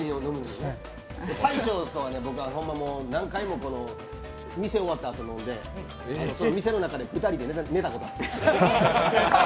大将と僕は何回も店終わったあと、飲んで店の中で２人で寝たことある。